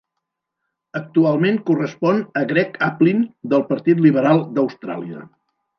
Actualment correspon a Greg Aplin del partit liberal d'Austràlia.